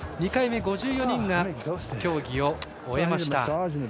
２回目５４人が競技を終えました。